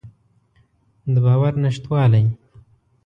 د باور نشتوالی.